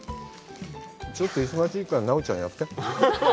ちょっと忙しいから奈緒ちゃんやって。